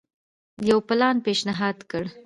یو پلان پېشنهاد کړ.